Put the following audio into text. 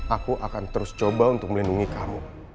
aku akan terus coba untuk melindungi kamu